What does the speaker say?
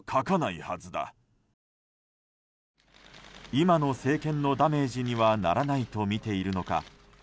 今の政権のダメージにはならないとみているのか。